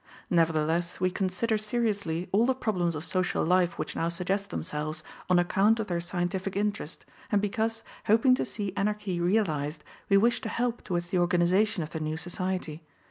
Nevertheless, we consider seriously all the problems of social life which now suggest themselves, on account of their scientific interest, and because, hoping to see Anarchy realized, we wish to help towards the organization of the new society.